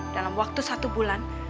dalam waktu satu bulan